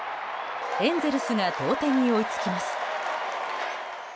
エンゼルスが同点に追いつきます。